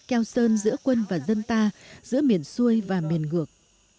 keo sơn giữa quân và dân ta giữa miền xuôi và miền ngược